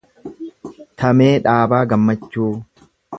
Tamee Dhaabaa Gammachuu